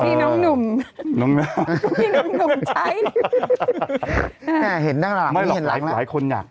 ที่น้องหนุ่มน้องน้ำน้องน้ำใช้อ่าเห็นด้านหลังหลายหลายคนอยาก